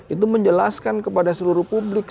itu menjelaskan kepada seluruh publik